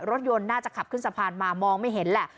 รถยนต์น่าจะขับขึ้นสะพานมามองไม่เห็นแหละ